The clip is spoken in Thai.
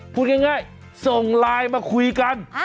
พูดง่ายส่งไลน์มาคุยกัน